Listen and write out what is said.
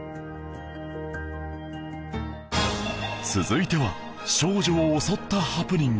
続いては少女を襲ったハプニング